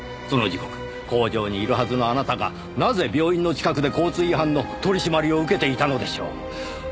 その時刻工場にいるはずのあなたがなぜ病院の近くで交通違反の取り締まりを受けていたのでしょう？